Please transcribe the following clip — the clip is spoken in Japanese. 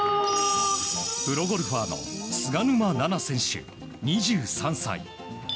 プロゴルファーの菅沼菜々選手、２３歳。